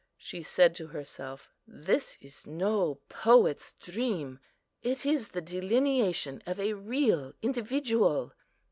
She said to herself, "This is no poet's dream; it is the delineation of a real individual.